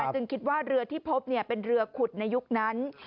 จึงคิดว่าเรือที่พบเป็นเรือขุดในยุคนั้น